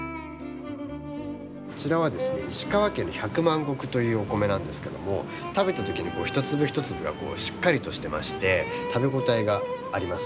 こちらはですね石川県のひゃくまん穀というお米なんですけども食べた時に一粒一粒がしっかりとしてまして食べ応えがあります。